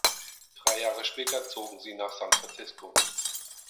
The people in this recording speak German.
Drei Jahre später zogen sie nach San Francisco.